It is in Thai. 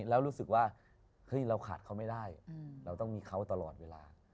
แล้วรู้สึกว่าเฮ้ยเราขาดเขาไม่ได้เราต้องมีเขาตลอดเวลา